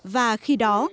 và khi đó